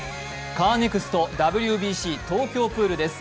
カーネクストＷＢＣ東京プールです。